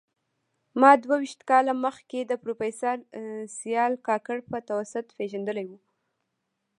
ما دوه ویشت کاله مخکي د پروفیسر سیال کاکړ په توسط پېژندلی و